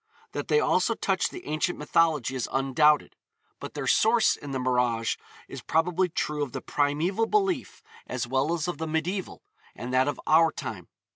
That they also touch the ancient mythology is undoubted; but their source in the mirage is probably true of the primeval belief as well as of the medieval, and that of our time.